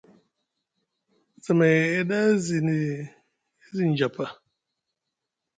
Zamay e ɗa zi njapa.